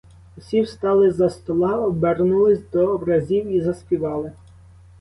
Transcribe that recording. Усі встали з-за стола, обернулись до образів і заспівали.